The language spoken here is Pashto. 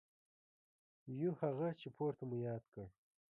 یو هغه چې پورته مو یاد کړ.